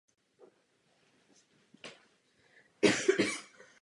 Nejlépe koření dvouleté větévky.